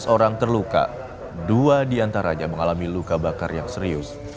sebelas orang terluka dua diantaranya mengalami luka bakar yang serius